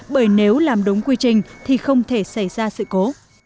bởi nếu làm đúng quy trình thì không thể xảy ra sự cố